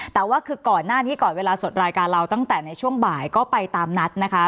แต่ว่าคือก่อนหน้านี้ก่อนเวลาสดรายการเราตั้งแต่ในช่วงบ่ายก็ไปตามนัดนะคะ